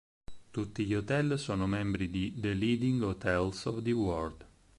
Tutti gli hotel sono membri di The Leading Hotels of the World.